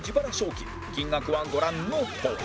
金額はご覧のとおり